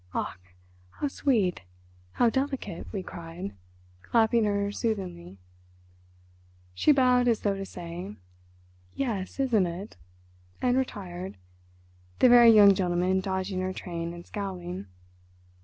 "Ach, how sweet, how delicate," we cried, clapping her soothingly. She bowed as though to say, "Yes, isn't it?" and retired, the very young gentleman dodging her train and scowling.